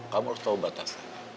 kamu harus tahu batasannya